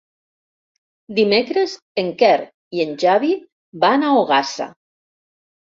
Dimecres en Quer i en Xavi van a Ogassa.